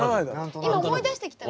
今思い出してきたの？